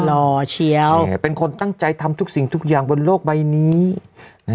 หล่อเชียวเป็นคนตั้งใจทำทุกสิ่งทุกอย่างบนโลกใบนี้นะ